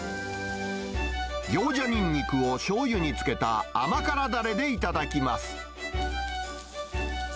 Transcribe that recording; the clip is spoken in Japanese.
行者ニンニクをしょうゆにつけた甘辛だれで頂きます。